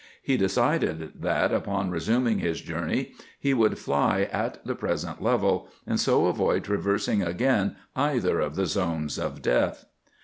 He decided that, upon resuming his journey, he would fly at the present level, and so avoid traversing again either of the zones of death.